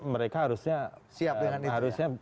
mereka harusnya siap dengan itu harusnya